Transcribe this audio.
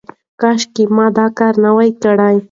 کاشکې مې دا کار نه وای کړی.